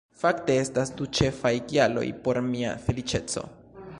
Fakte estas du ĉefaj kialoj por mia feliĉeco